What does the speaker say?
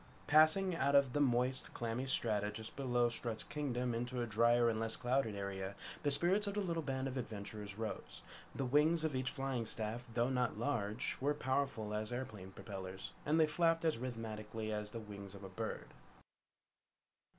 Passing out of the moist, clammy strata just below Strut's Kingdom into a dryer and less clouded area, the spirits of the little band of adventurers rose. The wings of each flying staff, though not large, were powerful as airplane propellers, and they flapped as rhythmically as the wings of a bird.